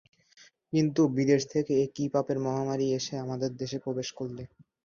কিন্তু বিদেশ থেকে এ কী পাপের মহামারী এসে আমাদের দেশে প্রবেশ করলে!